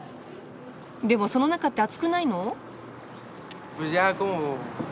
でもその中って暑くないの？